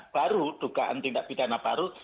baru dugaan tindak pidana baru